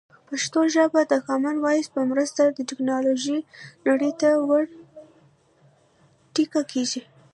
پښتو ژبه د کامن وایس په مرسته د ټکنالوژۍ نړۍ ته ور ټيکه کېږي.